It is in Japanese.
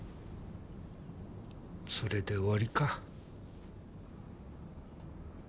それで終わりか？